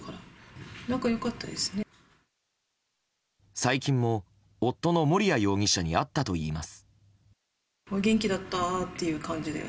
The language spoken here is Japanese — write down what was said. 最近も夫の盛哉容疑者に会ったといいます。